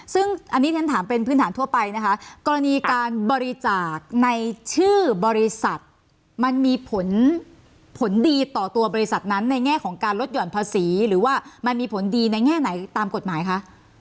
ซึ่งอันนี้ฉันถามเป็นพื้นฐานทั่วไปนะคะกรณีการบริจาคในชื่อบริษัทมันมีผลผลดีต่อตัวบริษัทนั้นในแง่ของการลดหย่อนภาษีหรือว่ามันมีผลดีในแง่ไหนตามกฎหมายคะ